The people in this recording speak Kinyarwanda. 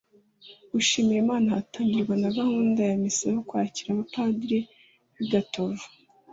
gushimira imana hatangirwa na gahunda ya misa yo kwakira abapadiri b’i gatovu